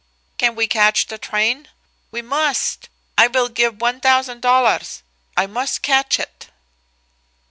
"Can we catch the train? We must! I will give one thousand dollars. I must catch it."